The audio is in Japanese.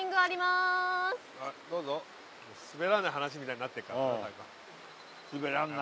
『すべらない話』みたいになってっからさなんか。